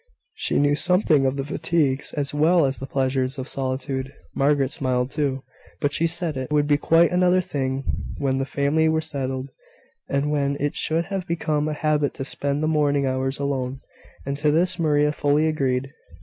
She knew something of the fatigues, as well as the pleasures, of solitude. Margaret smiled too; but she said it would be quite another thing when the family were settled, and when it should have become a habit to spend the morning hours alone; and to this Maria fully agreed.